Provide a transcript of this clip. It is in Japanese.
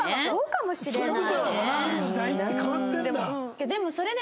時代って変わってるんだ。